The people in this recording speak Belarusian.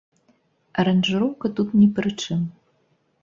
Аранжыроўка тут ні пры чым.